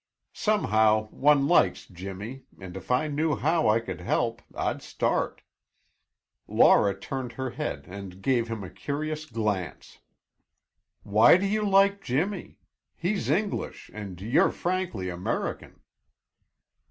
Somehow one likes Jimmy, and if I knew how I could help, I'd start." Laura turned her head and gave him a curious glance. "Why do you like Jimmy? He's English and you're frankly American."